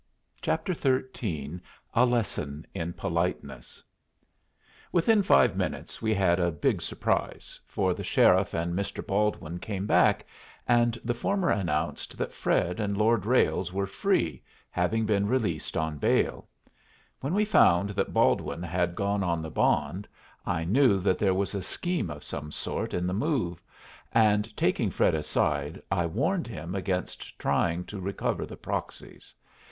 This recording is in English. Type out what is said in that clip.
CHAPTER XIII A LESSON IN POLITENESS Within five minutes we had a big surprise, for the sheriff and Mr. Baldwin came back, and the former announced that Fred and Lord Ralles were free, having been released on bail. When we found that Baldwin had gone on the bond, I knew that there was a scheme of some sort in the move, and, taking Fred aside, I warned him against trying to recover the proxies.